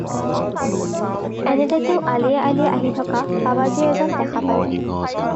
এনেতে তেওঁ আলিয়ে আলিয়ে আহি থকা বাবাজী এজন দেখা পালে।